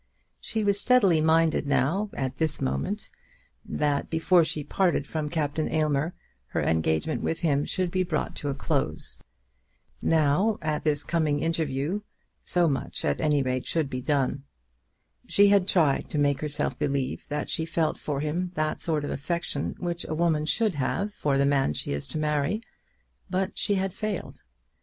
She was steadily minded, now, at this moment, that before she parted from Captain Aylmer, her engagement with him should be brought to a close. Now, at this coming interview, so much at any rate should be done. She had tried to make herself believe that she felt for him that sort of affection which a woman should have for the man she is to marry, but she had failed.